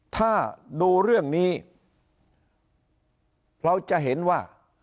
ถ้าดูเรื่องนี้เราจะเห็นว่า